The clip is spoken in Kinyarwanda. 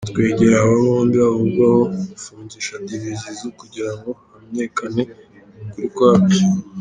Twegereye aba bombi bavugwaho gufungisha Dj Zizou kugira ngo hamenyekane ukuri kwabyo.